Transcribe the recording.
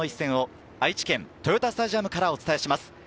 愛知県、豊田スタジアムからお伝えします。